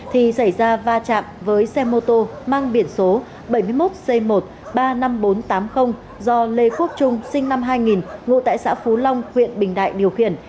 thì xảy ra va chạm với xe mô tô mang biển số bảy mươi một c một ba mươi năm nghìn bốn trăm tám mươi do lê quốc trung sinh năm hai nghìn ngụ tại xã phú long huyện bình đại điều khiển